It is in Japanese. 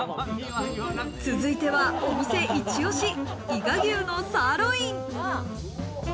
続いてはお店イチオシ、伊賀牛のサーロイン。